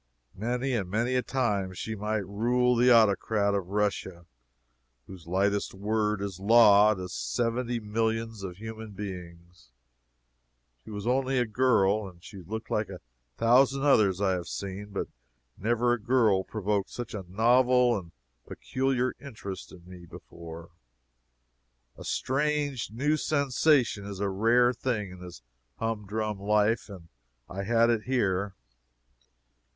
Many and many a time she might rule the Autocrat of Russia, whose lightest word is law to seventy millions of human beings! She was only a girl, and she looked like a thousand others I have seen, but never a girl provoked such a novel and peculiar interest in me before. A strange, new sensation is a rare thing in this hum drum life, and I had it here.